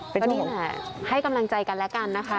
ก็นี่แหละให้กำลังใจกันแล้วกันนะคะ